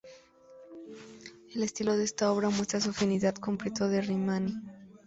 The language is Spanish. El estilo de esta obra muestra su afinidad con Pietro da Rimini.